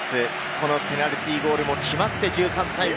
このペナルティーゴールも決まって１３対５。